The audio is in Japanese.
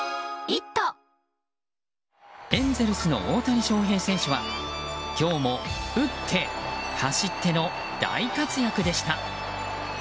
エンゼルスの大谷翔平選手は今日も打って走っての大活躍でした。